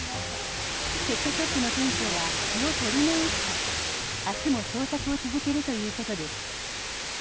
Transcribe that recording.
ペットショップの店長は気を取り直して明日も捜索を続けるということです。